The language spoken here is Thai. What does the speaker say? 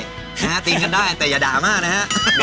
นะฮะเตะกันได้แต่อย่าด่ามากนะฮะ